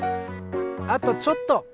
あとちょっと！